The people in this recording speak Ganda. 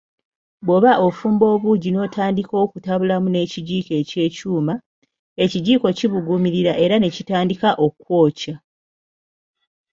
Bwoba ofumba obuugi n'otandika okutabulamu n'ekigiiko eky'ekyuma, ekigiiko kibuguumirira era ne kitandika okwokya